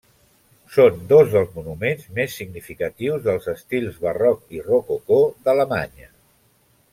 Són dos dels monuments més significatius dels estils barroc i rococó d'Alemanya.